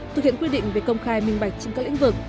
thực hiện quy định về công khai minh bạch trên các lĩnh vực